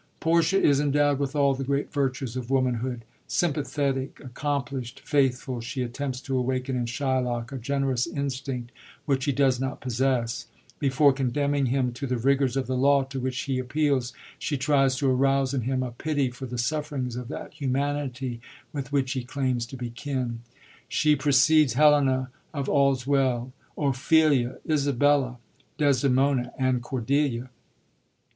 Portia is endowd with all the great virtues of womanhood : sympathetic, accomplisht, faithful, she attempts to awaken in Shylock a generous instinct which he does not possess ; before condemning him to the rigors of the law to which he appeals, she tries to arouse in him a pity for the sufferings of that humanity with which he claims to be kin. She pre cedes Helena of AlVa Well, Ophelia, Isabella, Desdemona, and Cordelia.